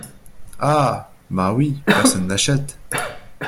Ah ! ben oui ! personne n’achète !…